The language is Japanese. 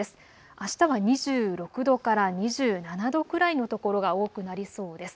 あしたは２６度から２７度くらいの所が多くなりそうです。